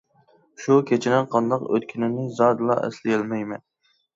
شۇ كېچىنىڭ قانداق ئۆتكىنىنى زادىلا ئەسلىيەلمەيمەن.